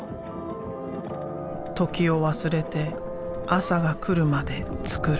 時を忘れて朝が来るまで作る。